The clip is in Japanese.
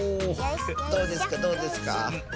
どうですかどうですか？